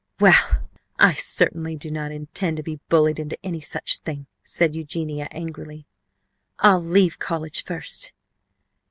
"Well, I certainly do not intend to be bullied into any such thing!" said Eugenia angrily. "I'll leave college first!"